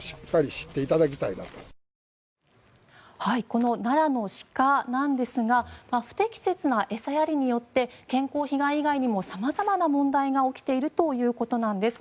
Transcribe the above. この奈良の鹿なんですが不適切な餌やりによって健康被害以外にも様々な問題が起きているということです。